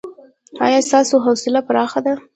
ایا ستاسو حوصله پراخه ده؟